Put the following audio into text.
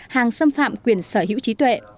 hàng xâm phạm quyền sở hữu trí tuệ